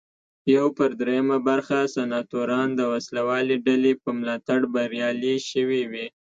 یو پر درېیمه برخه سناتوران د وسله والې ډلې په ملاتړ بریالي شوي وي.